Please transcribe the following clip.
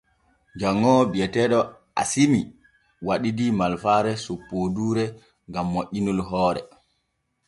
Janŋoowo bi’eteeɗo Aasimi waɗidii malfaare soppooduure gam moƴƴinol hoore.